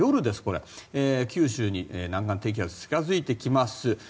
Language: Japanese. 九州に南岸低気圧が近付いてきます。